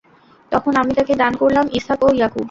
তখন আমি তাকে দান করলাম ইসহাক ও ইয়াকূব।